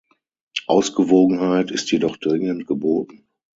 Ausgewogenheit ist jedoch dringend geboten.